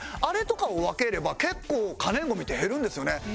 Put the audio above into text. あれとかを分ければ結構可燃ゴミって減るんですよね。